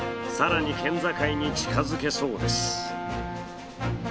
更に県境に近づけそうです。